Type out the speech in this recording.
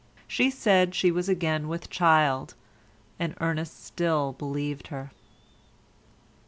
She said she was again with child, and Ernest still believed her.